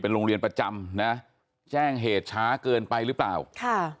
โรงเรียนประจำนะแจ้งเหตุช้าเกินไปหรือเปล่าค่ะ